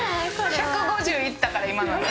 １５０いったから今ので。